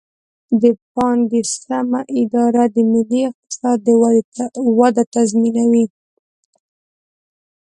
د پانګې سمه اداره د ملي اقتصاد وده تضمینوي.